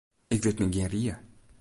Ik wit my gjin rie.